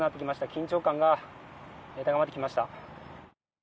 緊張感が高まってきました。